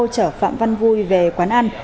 trở phạm văn vui về quán ăn